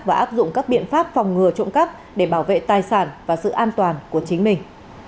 và áp dụng các biện pháp phòng ngừa trộm cắp để bảo vệ tài sản và sự an toàn của chính mình